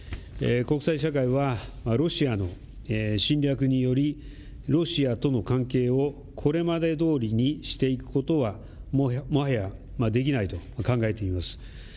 国際社会はロシアの侵略によりロシアとの関係をこれまでどおりにしていくことはもはやできないと考えております。